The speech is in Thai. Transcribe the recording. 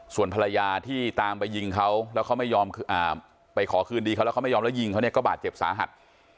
ส่วนภรรยาที่ตามไปยิงเขาแล้วเขาไม่ยอมไปขอคืนดีเขาแล้วเขาไม่ยอมแล้วยิงเขาเนี่ยก็บาดเจ็บสาหัส